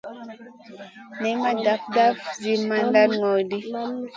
Nay ma daf dafna zi mandan ŋol lo ɗi.